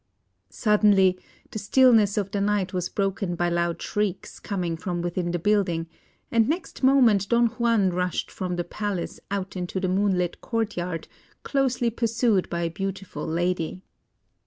Suddenly, the stillness of the night was broken by loud shrieks coming from within the building, and next moment Don Juan rushed from the palace out into the moonlit courtyard, closely pursued by a beautiful lady.